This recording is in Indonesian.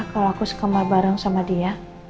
kalau aku sekemar bareng sama dia